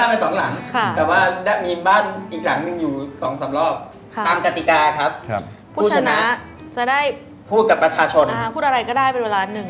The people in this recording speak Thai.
ไม่ต้องพูดกับผมครับพูดกับประชาชน